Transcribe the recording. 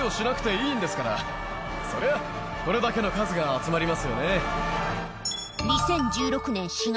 賢い彼らはそりゃこれだけの数が集まりますよね。